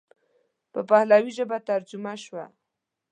په پهلوي ژبه ترجمه شوه.